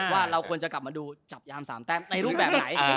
ว่าเราควรจะกลับมาดูจับยาม๓แต้มในรูปแบบไหน